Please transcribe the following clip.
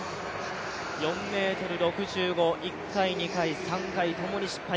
４ｍ６５、１回、２回、３回ともに失敗。